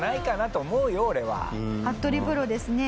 服部プロですね